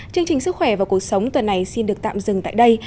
chương trình sức khỏe và cuộc sống tuần này xin được tạm dừng tại đây